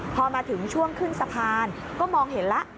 พอมาถึงช่วงขึ้นสะพานก็มองเห็นแล้ว